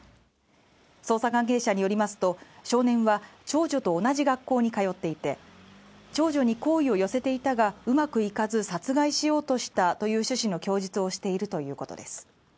捜査関係者によりますと少年は長女と同じ学校に通っていて長女に好意を寄せていたがうまくいかず殺害しようとしたという趣旨の供述をしているということです